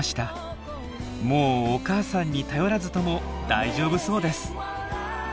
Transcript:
もうお母さんに頼らずとも大丈夫そうです。